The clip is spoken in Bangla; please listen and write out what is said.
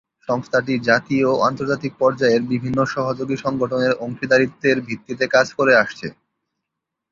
সংস্থাটি জাতীয় ও আন্তর্জাতিক পর্যায়ের বিভিন্ন সহযোগী সংগঠনের সাথে অংশীদারিত্বের ভিত্তিতে কাজ করে আসছে।